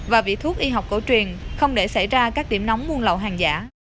và vị thuốc y học cổ truyền không để xảy ra các điểm nóng buôn lậu hàng giả